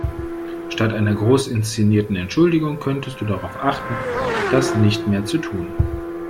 Statt einer groß inszenierten Entschuldigung könntest du darauf achten, das nicht mehr zu tun.